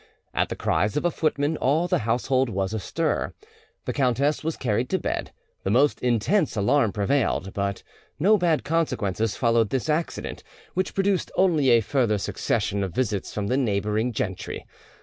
At the cries of a footman all the household was astir. The countess was carried to bed; the most intense alarm prevailed; but no bad consequences followed this accident, which produced only a further succession of visits from the neighbouring gentry.